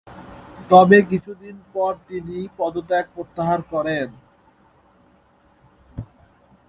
তবে কিছুদিন পর তিনি পদত্যাগ প্রত্যাহার করেন।